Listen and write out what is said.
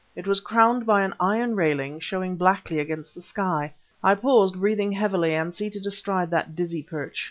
It was crowned by an iron railing, showing blackly against the sky. I paused, breathing heavily, and seated astride that dizzy perch.